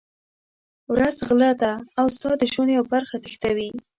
ورځ غله ده او ستا د ژوند یوه برخه تښتوي.